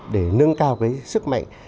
để nâng cao cái sức mạnh